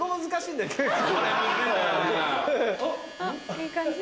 いい感じ？